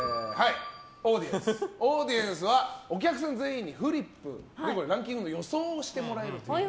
オーディエンスはお客さん全員にフリップでランキングの予想をしてもらえる。